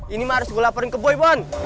ini mah harus gue laparin ke boy bon